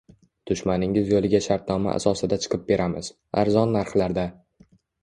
Dushmaningiz yo'liga shartnoma asosida chiqib beramiz! Arzon narxlarda!